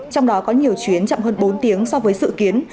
trong đó có nhiều chuyến chậm hơn bốn tiếng so với dự kiến